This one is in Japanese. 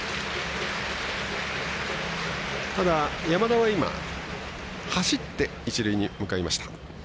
山田は今走って一塁に向かいました。